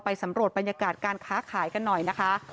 สำรวจบรรยากาศการค้าขายกันหน่อยนะคะ